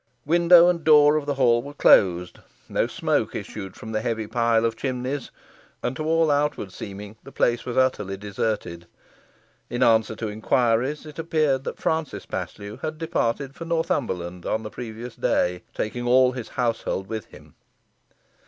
Window and door of the hall were closed; no smoke issued from the heavy pile of chimneys; and to all outward seeming the place was utterly deserted. In answer to inquiries, it appeared that Francis Paslew had departed for Northumberland on the previous day, taking all his household with him.